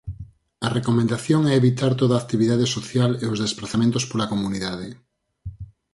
A recomendación é evitar toda actividade social e os desprazamentos pola comunidade.